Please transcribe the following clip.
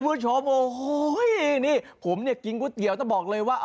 คุณผู้ชมโอ้โหนี่ผมเนี่ยกินก๋วยเตี๋ยวต้องบอกเลยว่า